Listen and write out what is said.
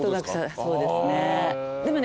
そうですね。